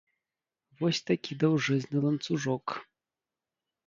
Вось такі даўжэзны ланцужок.